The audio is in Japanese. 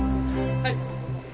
はい。